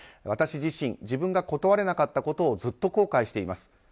私自身自分が断れなかったことをずっと後悔しています。